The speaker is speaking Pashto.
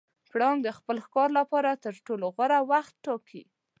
پړانګ د خپل ښکار لپاره تر ټولو غوره وخت ټاکي.